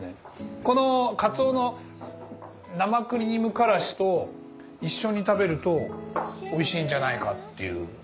このかつおの生クリームからしと一緒に食べるとおいしいんじゃないかっていう。